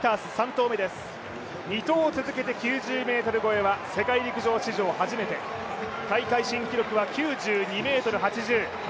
２投続けて９０ｍ越えは世界陸上史上初めて、大会新記録は９２ｍ８０。